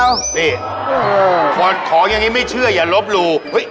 นี่ของอย่างนี้แม่ไม่เชื่ออย่ารบรู